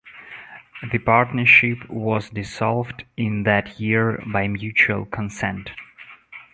The partnership was dissolved in that year by mutual consent.